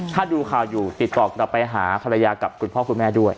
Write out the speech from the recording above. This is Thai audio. ถ้าดูข่าวอยู่ติดต่อกลับไปหาภรรยากับคุณพ่อคุณแม่ด้วย